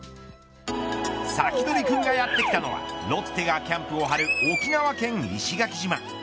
サキドリくんがやって来たのはロッテがキャンプを張る沖縄県石垣島。